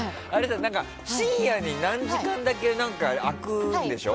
深夜に何時間だけ空くんでしょ？